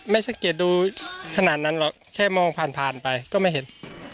สังเกตดูขนาดนั้นหรอกแค่มองผ่านผ่านไปก็ไม่เห็น